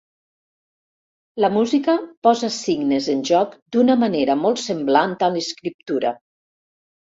La música posa signes en joc d'una manera molt semblant a l'escriptura.